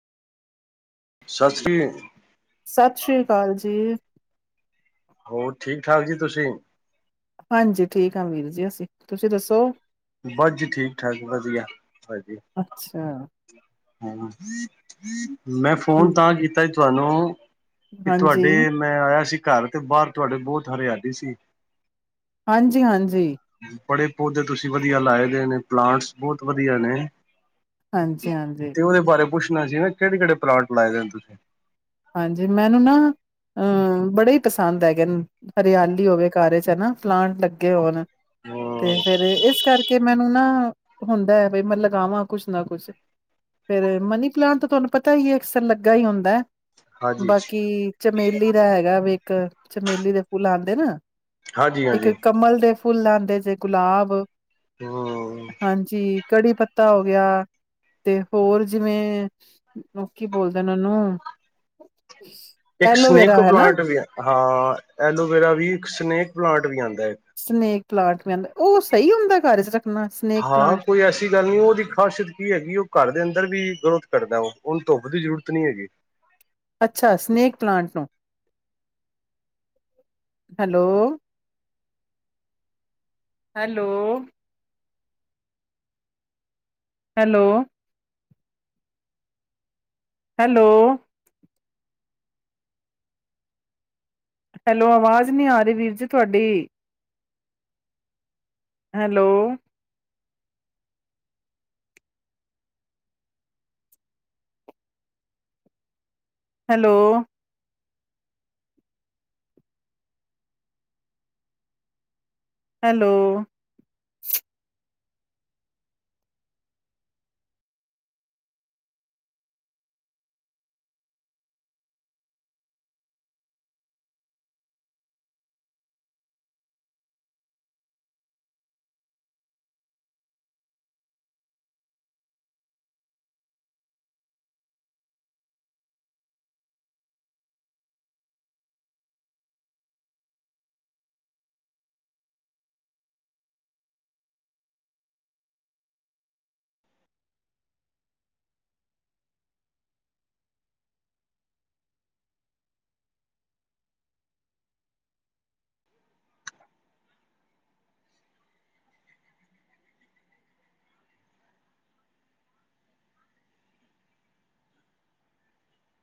ਸਤਿ ਸ਼੍ਰੀ। ਸਤਿ ਸ੍ਰੀ ਅਕਾਲ ਜੀ। ਹੋਰ ਠੀਕ- ਠਾਕ ਜੀ ਤੁਸੀਂ? ਹਾਂਜੀ ਠੀਕ ਆ ਵੀਰ ਜੀ ਅਸੀਂ, ਤੁਸੀਂ ਦੱਸੋ? ਬਸ ਜੀ ਠੀਕ- ਠਾਕ। ਵਧੀਆ-ਵਧੀਆ। ਅੱਛਾ, ਮੈਂ ਫੋਨ ਹੂੰ, ਤਾਂ ਕੀਤਾ ਸੀ ਤੁਹਾਨੂੰ। ਕਿ ਹਾਂਜੀ। ਤੁਹਾਡੇ, ਮੈਂ ਆਇਆ ਸੀ ਘਰ ਤੇ ਬਾਹਰ ਤੁਹਾਡੇ ਬਹੁਤ ਹਰਿਆਲੀ ਸੀ। ਹਾਂਜੀ-ਹਾਂਜੀ। ਬੜੇ ਪੌਦੇ ਤੁਸੀਂ ਵਧੀਆ ਲਾਏ ਦੇ ਨੇ ਪਲਾਂਟਸ ਬਹੁਤ ਵਧੀਆ ਨੇ। ਹਾਂਜੀ-ਹਾਂਜੀ, ਹਾਂਜੀ ਹਾਂਜੀ ਤੇ ਉਹਦੇ ਬਾਰੇ ਪੁੱਛਣਾ ਸੀ ਨਾ ਕਿਹੜੇ-ਕਿਹੜੇ ਪਲਾਟ ਲਾਏ ਦੇ ਨੇ ਤੁਸੀਂ? ਹਾਂਜੀ। ਮੈਨੂੰ ਨਾ ਅਮ ਬੜੇ ਹੀ ਪਸੰਦ ਹੈਗੇ ਨੇ, ਹਰਿਆਲੀ ਹੋਵੇ ਘਰ ਚ' ਹਨਾ, ਫਲਾਂਟ ਲੱਗੇ ਹੋਣ। ਤੇ ਫੇਰ ਹਮ ਇਸ ਕਰਕੇ ਮੈਨੂੰ ਨਾ ਹੁੰਦਾ ਹੈ ਬਈ ਮੈਂ ਲਗਾਵਾਂ ਕੁਛ ਨਾ ਕੁਛ। ਫੇਰ, ਮਨੀ ਪਲਾਂਟ ਤਾਂ ਤੁਹਾਨੂੰ ਪਤਾ ਹੀ ਹੈ ਅਕਸਰ ਲੱਗਾ ਹੀ ਹੁੰਦਾ ਹੈ। ਹਾਂਜੀ ਬਾਕੀ ਚਮੇਲੀ ਦਾ ਹੈਗਾ ਵੀ ਇੱਕ, ਚਮੇਲੀ ਦੇ ਫੁੱਲ ਆਉਂਦੇ ਨਾ। ਹਾਂਜੀ ਇੱਕ ਹਾਂਜੀ ਕਮਲ ਦੇ ਫੁੱਲ ਲਾਂਉਦੇ ਜੇ ਗੁਲਾਬ ਹੋ ਹਾਂਜੀ, ਕੜੀ ਪੱਤਾ ਹੋ ਗਿਆ ਤੇ ਹੋਰ ਜਿਵੇਂ ਉਹ ਕੀ ਬੋਲਦੇ ਉਹਨੂੰ [inaudible] ਇੱਕ ਸਨੇਕ ਐਲੋਵੇਰਾ ਹੈ ਨਾ ਪਲਾਂਟ ਵੀ ਹਾਂ, ਐਲੋਵੇਰਾ ਵੀ, ਇੱਕ ਸਨੇਕ ਪਲਾਂਟ ਵੀ ਆਉਂਦਾ ਹੈ। ਸਨੇਕ ਪਲਾਂਟ ਵੀ ਆਉਂਦਾ ਉਹ ਸਹੀ ਹੁੰਦਾ ਘਰ ਚ' ਰ ਹਾਂ ਕੋਈ ਏਸੀ ਅ ਗੱਲ ਨਹੀਂ ਉਹਦੀ ਖਾਸੀਅਤ ਕੀ ਹੈਗੀ ਉਹ ਘਰ ਦੇ ਅੰਦਰ ਵੀ ਗਰੋਥ ਕਰਦਾ ਉਹ, ਉਹਨੂੰ ਧੁੱਪ ਦੀ ਜ਼ਰੂਰਤ ਨਹੀਂ ਹੈਗੀ। ਅੱਛਾ ਸਨੇਕ ਪਲਾਟ ਨੂੰ। Hello, hello, hello, hello, hello, ਆਵਾਜ਼ ਨੀ ਆ ਰਹੀ ਵੀਰ ਜੀ ਤੁਹਾਡੀ। Hello, hello, hello,